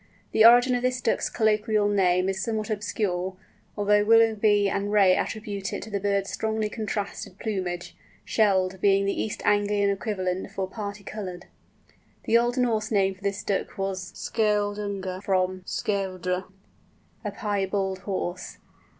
The origin of this Duck's colloquial name is somewhat obscure, although Willughby and Ray attribute it to the bird's strongly contrasted plumage—"sheld" being the East Anglian equivalent for parti coloured. The Old Norse name for this Duck was skjöldungr, from skjöldr, a piebald horse.